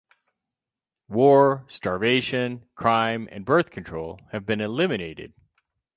War, starvation, crime and birth control have been eliminated.